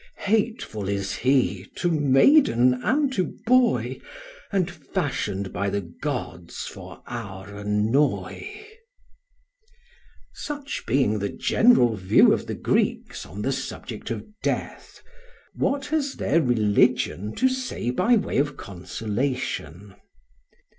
Hateful is he to maiden and to boy And fashioned by the gods for our annoy." [Footnote: Mimnermus, El. I.] Such being the general view of the Greeks on the subject of death, what has their religion to say by way of consolation?